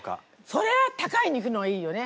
そりゃ高い肉の方がいいよね